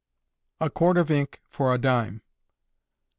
_A Quart of Ink, for a Dime.